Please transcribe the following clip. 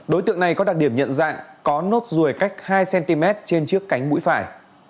đối tượng này có đặc điểm nhận dạng có nốt ruồi cách hai cm trên trước cánh mũi phải